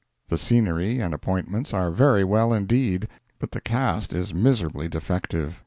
The scenery and appointments are very well indeed; but the cast is miserably defective.